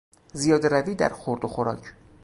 زیادهروی در خورد و خوراک